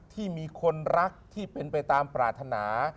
ที่มีคนรักที่เป็นไปตามปรารถนา